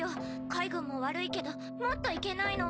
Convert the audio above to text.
海軍も悪いけどもっといけないのは。